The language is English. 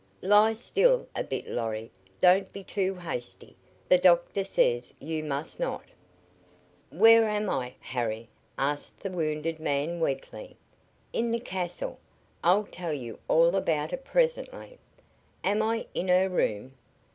"Lie still a bit, Lorry. Don't be too hasty. The doctor says you must not." "Where am I, Harry?" asked the wounded man, weakly. "In the castle. I'll tell you all about it presently." "Am I in her room?"